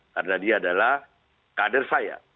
karena dia adalah kader saya